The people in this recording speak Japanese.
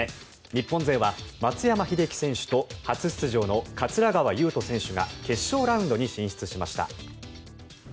日本勢は松山英樹選手と初出場の桂川有人選手が決勝ラウンドに進出しました。